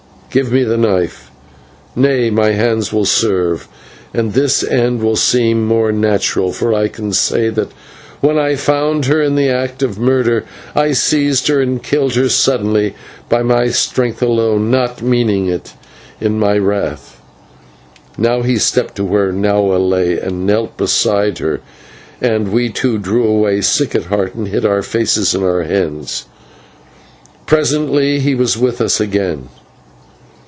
Give me a knife. Nay, my hands will serve, and this end will seem more natural, for I can say that when I found her in the act of murder, I seized her and killed her suddenly by my strength alone, not meaning it in my wrath." Now he stepped to where Nahua lay, and knelt beside her, and we two drew away sick at heart and hid our faces in our hands. Presently he was with us again.